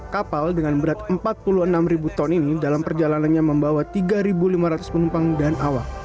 kapal dengan berat empat puluh enam ton ini dalam perjalanannya membawa tiga lima ratus penumpang dan awak